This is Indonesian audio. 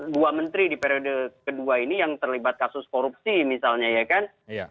dua menteri di periode kedua ini yang terlibat kasus korupsi misalnya ya kan